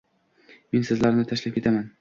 Men sizlarni tashlab ketaman